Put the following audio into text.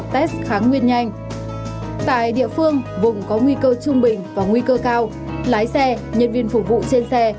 tại địa phương vùng có nguy cơ rất cao